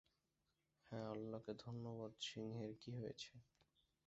হ্যা আল্লাহকে ধন্যবাদ সিংহের কি হয়েছে?